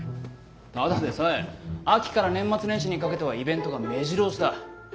ただでさえ秋から年末年始にかけてはイベントがめじろ押しだ。